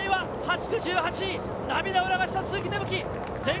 前回は８区１８位、涙を流した鈴木芽吹。